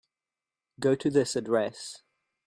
Go to this address.